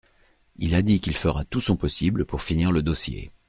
Il a dit qu’il fera tout son possible pour finir le dossier.